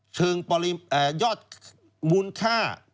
ซึ่งยอดวุ้นค่าเพิ่มขึ้น